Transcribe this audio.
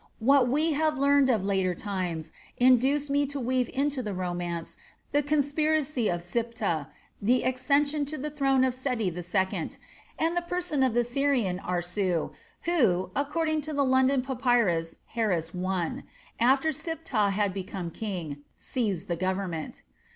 What we have learned of later times induced me to weave into the romance the conspiracy of Siptah, the accession to the throne of Seti II., and the person of the Syrian Aarsu who, according to the London Papyrus Harris I., after Siptah had become king, seized the government.